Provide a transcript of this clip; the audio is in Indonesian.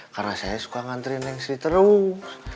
karena saya suka nganterin neng sri terus